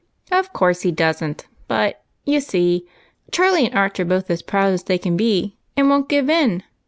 " Of course he does n't ; but, you see, Charlie and Arch are both as proud as they can be, and won't give in.